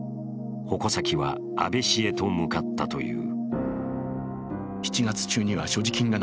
矛先は安倍氏へと向かったという。